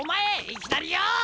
いきなりよ！